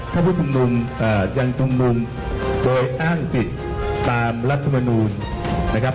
ถ้าผู้ชุมนุมยังชุมนุมโดยอ้างผิดตามรัฐมนูลนะครับ